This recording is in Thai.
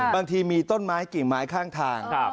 บางทีมีต้นไม้กี่ไม้ข้างทาง